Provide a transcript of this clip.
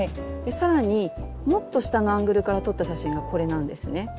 更にもっと下のアングルから撮った写真がこれなんですね。